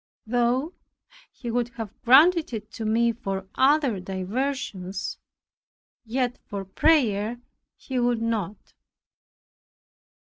Though he would have granted it to me for other diversions, yet for prayer he would not.